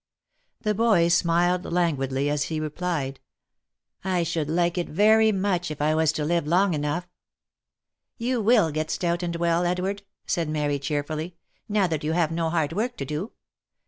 The boy smiled languidly as he replied, " I should like it very much, if I was to live long enough." " You will get stout and well, Edward," said Mary, cheerfully, " now that you have no hard work to do.